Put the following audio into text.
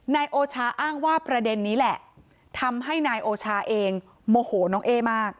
นายโอชาอ้างว่าประเด็นนี้แหละทำให้นายโอชาเองโมโหน้องเอ๊มาก